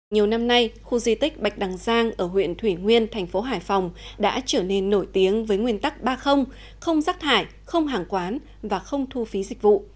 nhiều năm nay khu di tích bạch đằng giang ở huyện thủy nguyên thành phố hải phòng đã trở nên nổi tiếng với nguyên tắc ba không rác thải không hàng quán và không thu phí dịch vụ